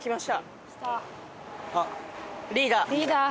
リーダー。